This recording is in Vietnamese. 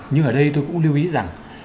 nhưng ở đây tôi cũng lưu ý rằng